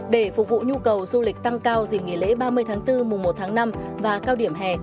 để phục vụ nhu cầu du lịch tăng cao dìm nghỉ lễ ba mươi bốn một năm và cao điểm hè